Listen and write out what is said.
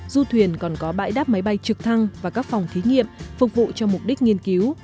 du thuyền còn có bãi đáp máy bay trực thăng và các phòng thí nghiệm phục vụ cho mục đích nghiên cứu